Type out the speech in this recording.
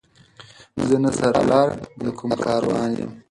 زه نه سر لاری د کوم کاروان یم